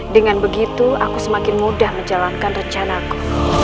dengan begitu aku semakin mudah menjalankan rencanaku